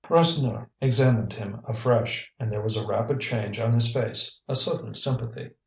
Rasseneur examined him afresh; and there was a rapid change on his face, a sudden sympathy.